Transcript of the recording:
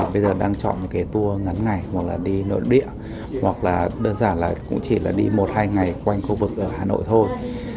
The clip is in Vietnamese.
bây giờ đang chọn những cái tour ngắn ngày hoặc là đi nội địa hoặc là đơn giản là cũng chỉ là đi một hai ngày quanh khu vực ở hà nội thôi